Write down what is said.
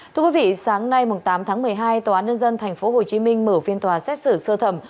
thưa quý vị sáng nay tám tháng một mươi hai tòa án nhân dân tp hcm mở phiên tòa xét xử sơ thẩm